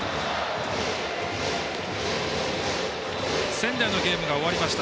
仙台のゲームが終わりました。